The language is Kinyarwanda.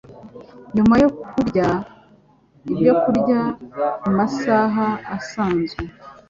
Nyuma yo kurya ibyokurya ku masaha asanzwe,